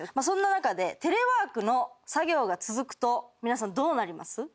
そんな中でテレワークの作業が続くと皆さんどうなります？